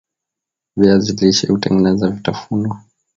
viazi lishe hutengeneza vitafunwa